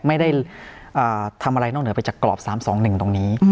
ไม่ได้ทำอะไรนอกเหนือไปจากกรอบ๓๒๑ตรงนี้